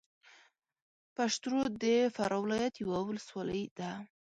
پشترود د فراه ولایت یوه ولسوالۍ ده